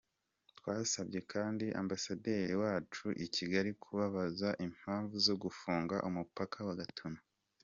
Twasabye kandi Ambasaderi wacu i Kigali kubabaza impamvu zo gufunga umupaka wa Gatuna.”